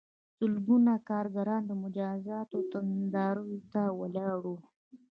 سلګونه کارګران د مجازاتو نندارې ته ولاړ وو